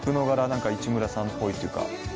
何か市村さんっぽいっていうか。